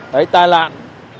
đấy tai nạn